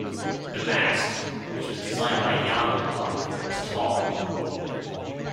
The mast, which was designed by Jan Polak, was tall.